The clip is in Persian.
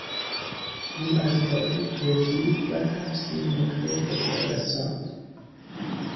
او از راه توضیح و تفسیر نکتهی خود را رساند.